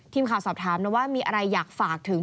ทีมข่าวสอบถามนะว่ามีอะไรอยากฝากถึง